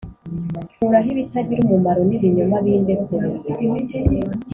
nkuraho ibitagira umumaro n’ibinyoma bimbe kure,